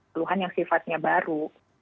keluhan yang sifatnya baru